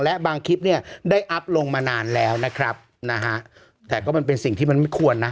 และบางคลิปเนี่ยได้อัพลงมานานแล้วนะครับนะฮะแต่ก็มันเป็นสิ่งที่มันไม่ควรนะ